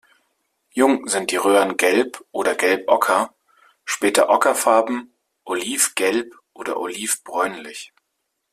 Jung sind die Röhren gelb oder gelb-ocker, später ockerfarben, oliv-gelb oder oliv-bräunlich.